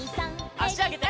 あしあげて。